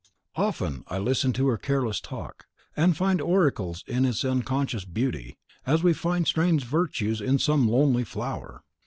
Often I listen to her careless talk, and find oracles in its unconscious beauty, as we find strange virtues in some lonely flower.